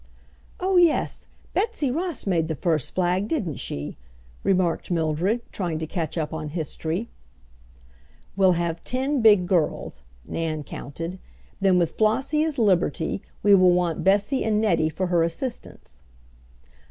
"Oh, yes, Betsy Ross made the first flag, didn't she?" remarked Mildred, trying to catch up on history. "We'll have ten big girls," Nan counted. "Then with Flossie as Liberty we will want Bessie and Nettie for her assistants."